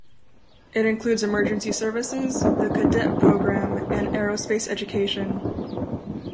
It includes emergency services, the cadet program, and aerospace education.